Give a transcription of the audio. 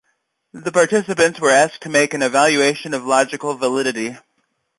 The participants were asked to make an evaluation of logical validity.